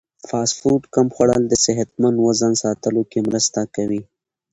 فاسټ فوډ کم خوړل د صحتمند وزن ساتلو کې مرسته کوي.